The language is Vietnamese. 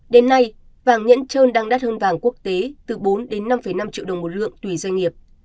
đến nay vàng nhẫn trơn đang đắt hơn vàng quốc tế từ bốn đến năm năm triệu đồng một lượng tùy doanh nghiệp